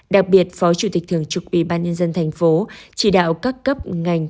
đặc biệt phó chủ tịch thường trực ủy ban nhân dân tp chỉ đạo các cấp ngành